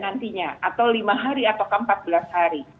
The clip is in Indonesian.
atau lima hari atau ke empat belas hari